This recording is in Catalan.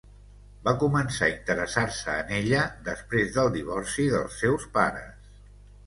Va començar a interessar-se en ella després del divorci dels seus pares.